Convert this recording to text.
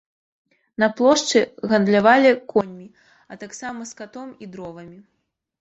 На плошчы гандлявалі коньмі, а таксама скатом і дровамі.